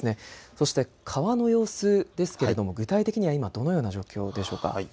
そして川の様子ですけれど具体的には今どのような状況でしょうか。